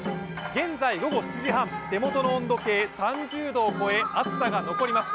現在午後７時半、手元の温度計３０度を超え暑さが残ります。